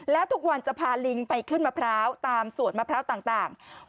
แล้วทุกวันจะพาลิงไปขึ้นมะพร้าวตามสวนมะพร้าวต่าง